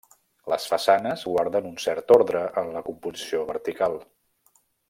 Les façanes guarden un cert ordre en la composició vertical.